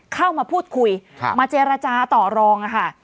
เข้ามาพูดคุยมาเจรจาต่อรองค่ะ